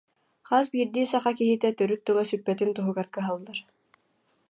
Хас биирдии саха киһитэ төрүт тыла сүппэтин туһугар кыһаллар